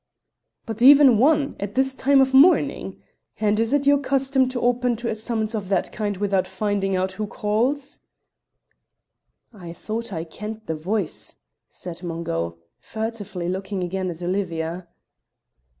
"But even one! At this time of morning! And is it your custom to open to a summons of that kind without finding out who calls?" "I thought I kent the voice," said Mungo, furtively looking again at Olivia.